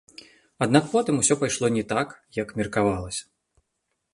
Аднак потым усё пайшло не так, як меркавалася.